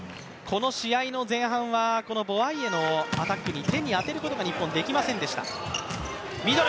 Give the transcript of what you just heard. この試合の前半はボワイエのアタックに、手に当てることが日本はできませんでした。